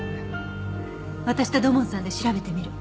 私と土門さんで調べてみる。